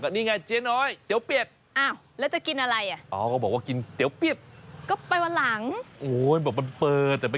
มันคือก๋วยเตี๋ยวเป็ดนี่แหละ